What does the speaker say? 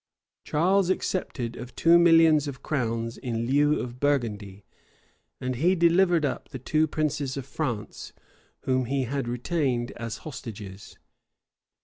Charles accepted of two millions of crowns in lieu of Burgundy; and he delivered up the two princes of France, whom he had retained as hostages.